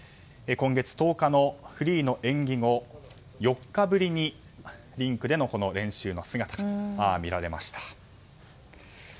今月１０日のフリーの演技後４日ぶりにリンクでの練習の姿が見られました。